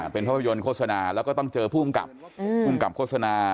เป็นพระบาปยนต์โฆษณาแล้วก็ต้องเจอผู้อุ้มกับโฆษณา